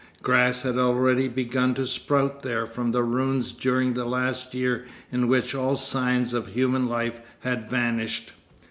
Grass had already begun to sprout there from the ruins during the last year in which all signs of human life had vanished.